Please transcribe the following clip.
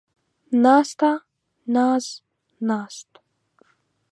ناسته ، ناز ، ناست